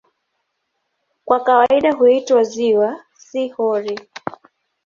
Kwa kawaida huitwa "ziwa", si "hori".